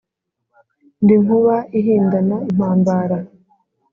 ndi nkuba ihindana impambara